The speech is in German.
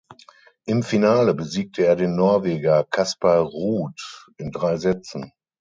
Im Finale besiegte er den Norweger Casper Ruud in drei Sätzen.